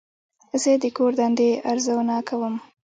زه د کور دندې ارزونه کوم.